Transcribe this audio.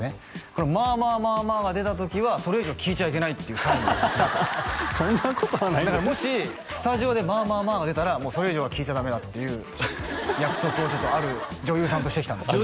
この「まあまあまあまあ」が出た時はそれ以上聞いちゃいけないっていうサインだとそんなことはないんだけどだからもしスタジオでまあまあまあが出たらそれ以上は聞いちゃダメだっていう約束をちょっとある女優さんとしてきたんです